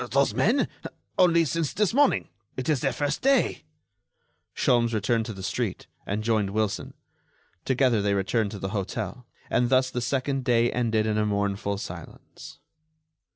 "Those men?... only since this morning. It's their first day." Sholmes returned to the street, and joined Wilson. Together they returned to the hotel, and thus the second day ended in a mournful silence.